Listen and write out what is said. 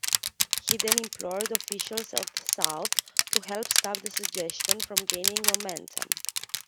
He then implored officials at Souths to help stop the suggestion from gaining momentum.